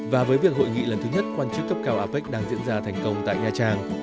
và với việc hội nghị lần thứ nhất quan chức cấp cao apec đang diễn ra thành công tại nha trang